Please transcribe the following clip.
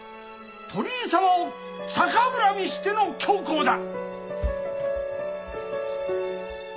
鳥居様を逆恨みしての凶行だ！